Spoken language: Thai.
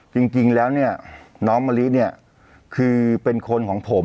จริงแล้วเนี่ยน้องมะลิเนี่ยคือเป็นคนของผม